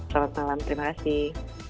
selamat malam terima kasih